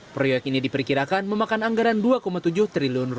proyek ini diperkirakan memakan anggaran rp dua tujuh triliun